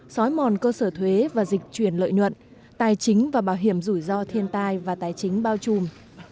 xói mòn cơ sở thuế và dịch chuyển lợi nhuận tài chính và bảo hiểm rủi ro thiên tai và tài chính bao trùm